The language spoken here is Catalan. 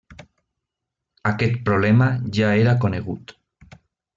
Aquest problema ja era conegut.